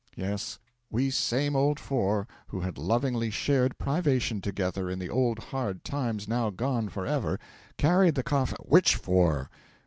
Yes, we same old four, who had lovingly shared privation together in the old hard times now gone for ever, carried the cof ' 'Which four?'